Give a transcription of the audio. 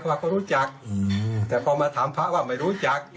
พระก็รู้จักแต่พอมาถามพระว่าไม่รู้จัก